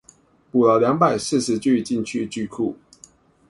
補了兩百四十句進去句庫